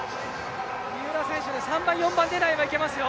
三浦選手、３４番狙いはいけますよ。